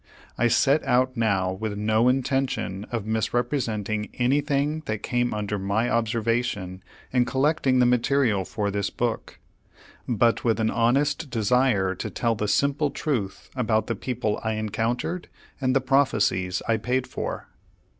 I set out now with no intention of misrepresenting anything that came under my observation in collecting the material for this book, but with an honest desire to tell the simple truth about the people I encountered, and the prophecies I paid for.